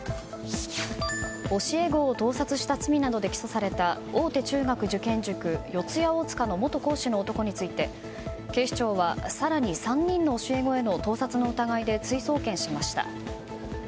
教え子を盗撮した罪などで起訴された大手中学受験塾四谷大塚の元講師の男について警視庁は更に３人の教え子への盗撮の疑いで追送検しました。